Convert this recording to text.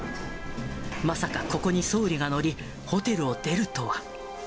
まさかここに総理が乗り、ホテルを出るとは。